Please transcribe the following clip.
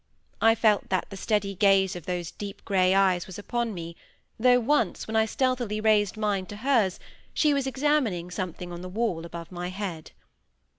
I felt that the steady gaze of those deep grey eyes was upon me, though once, when I stealthily raised mine to hers, she was examining something on the wall above my head.